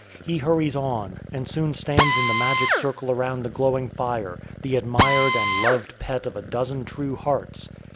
He hurries on, and soon stands in the magic circle around the glowing fire, the admired and loved pet of a dozen true hearts.